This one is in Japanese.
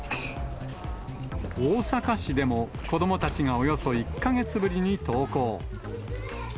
大阪市でも子どもたちがおよそ１か月ぶりに登校。